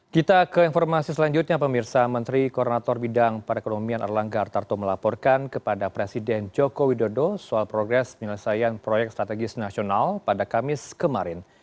kita ke informasi selanjutnya pemirsa menteri koordinator bidang perekonomian erlangga artarto melaporkan kepada presiden joko widodo soal progres penyelesaian proyek strategis nasional pada kamis kemarin